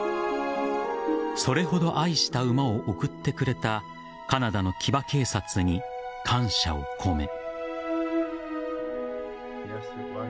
それほど愛した馬を贈ってくれたカナダの騎馬警察に感謝を込め。